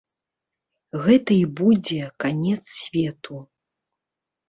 Гэта і будзе канец свету.